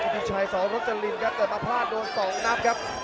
กิจฉัย๒รถจริงครับเกิดเปล่าพลาดโดน๒นับครับ